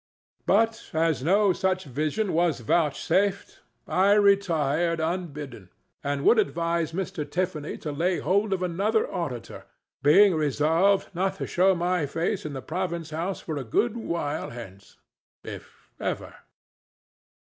But, as no such vision was vouchsafed, I retired unbidden, and would advise Mr. Tiffany to lay hold of another auditor, being resolved not to show my face in the Province House for a good while hence—if ever.